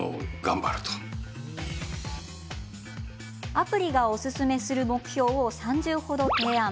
アプリがおすすめする目標を３０程、提案。